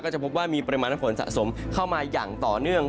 จะพบว่ามีปริมาณน้ำฝนสะสมเข้ามาอย่างต่อเนื่อง